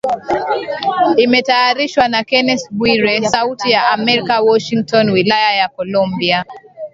Imetayarishwa na Kennes Bwire, Sauti ya amerka Washington wilaya ya Kolumbia